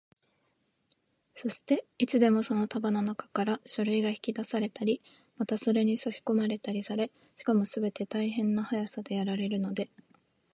そして、いつでもその束のなかから書類が引き出されたり、またそれにさしこまれたりされ、しかもすべて大変な速さでやられるので、